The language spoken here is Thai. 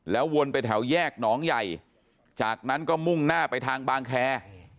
วนไปแถวแยกหนองใหญ่จากนั้นก็มุ่งหน้าไปทางบางแคร์